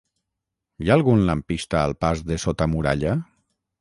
Hi ha algun lampista al pas de Sota Muralla?